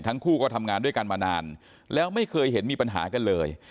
ทั้งคู่ก็ทำงานด้วยกันมานานแล้วไม่เคยเห็นมีปัญหากันเลย